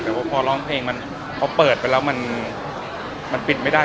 แต่ว่าพอร้องเพลงมันพอเปิดไปแล้วมันปิดไม่ได้